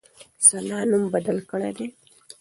ثنا نوم بدل کړی دی.